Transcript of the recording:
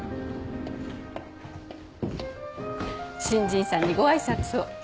新人さんにご挨拶を。